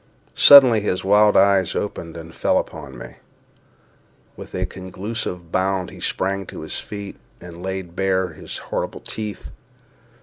Suddenly his wild eyes opened and fell upon me. With a conclusive bound he sprang to his feet, and laid bare his horrible teeth.